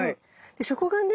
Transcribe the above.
でそこがね